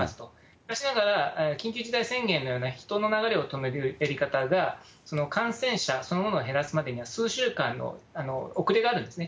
しかしながら、緊急事態宣言など人の流れを止めるやり方が、感染者そのものを減らすまでには、数週間の遅れがあるんですね。